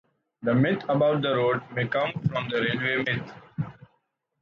The myth about the road may come from the railway myth.